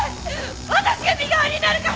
私が身代わりになるから。